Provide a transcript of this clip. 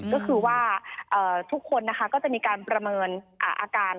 ก็คือว่าทุกคนนะคะก็จะมีการประเมินอาการ